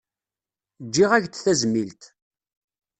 Ǧǧiɣ-ak-d tazmilt.